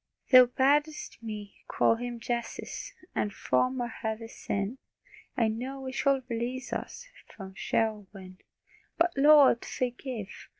Thou bad'st me call Him "Jesus," And from our heavy sin I know He shall release us, From Sheol win. But, Lord, forgive!